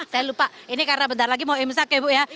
saya lupa ini karena bentar lagi mau imsak ya bu ya